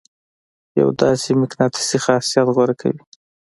يو داسې مقناطيسي خاصيت غوره کوي.